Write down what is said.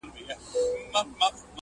د همت ږغ مو په کل جهان کي خپور وو،